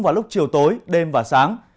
vào lúc chiều tối đêm và sáng